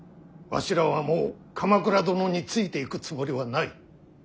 わしらはもう鎌倉殿についていくつもりはない。